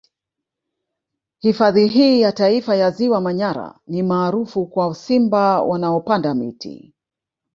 Hifadhi hii ya Taifa ya Ziwa Manyara ni maarufu kwa Simba wanaopanda miti